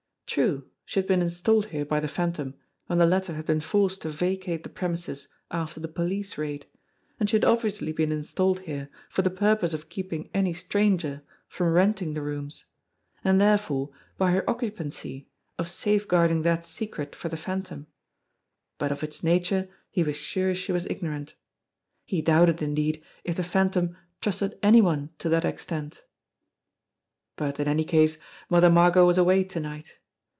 True, she had been installed here by the Phantom when the latter had been forced to vacate the premises after the police raid, and she had obvi ously been installed here for the purpose of keeping any stranger from renting the rooms, and therefore, by her occu pancy, of safeguarding that secret for the Phantom, but of its nature he was sure she was ignorant. He doubted, indeed, if the Phantom trusted any one to that extent ! But, in any case, Mother Margot was away to night.